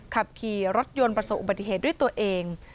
ขับขี่รถยนต์ประสบอุบัติเหตุด้วยตัวเอง